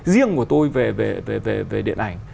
riêng của tôi về điện ảnh